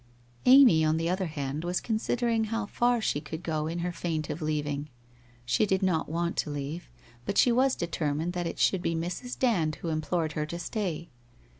Amy on the other hand was considering how far she could go in her feint of leaving. She did not want to leave, but she was determined that it should be Mrs. Dand who implored her to stay.